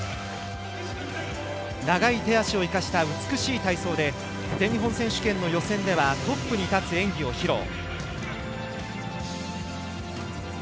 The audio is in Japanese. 長い手足を生かした美しい体操で全日本選手権の予選ではトップに立つ演技を披露。